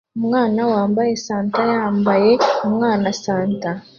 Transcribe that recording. Umwana wambaye Santa yambaye umwana Santa